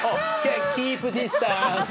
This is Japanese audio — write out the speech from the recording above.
キープディスタンス。